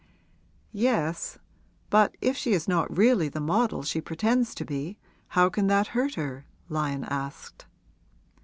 'Yes; but if she is not really the model she pretends to be, how can that hurt her?' Lyon asked.